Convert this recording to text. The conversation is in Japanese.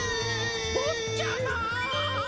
ぼっちゃま！